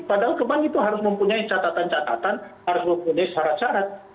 padahal ke bank itu harus mempunyai catatan catatan harus mempunyai syarat syarat